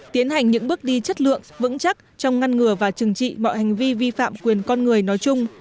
tiến hành những bước đi chất lượng vững chắc trong ngăn ngừa và chừng trị mọi hành vi vi phạm quyền con người nói chung